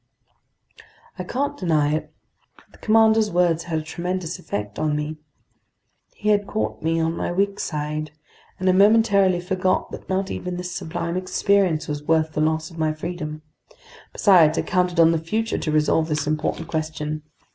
I can't deny it; the commander's words had a tremendous effect on me. He had caught me on my weak side, and I momentarily forgot that not even this sublime experience was worth the loss of my freedom. Besides, I counted on the future to resolve this important question.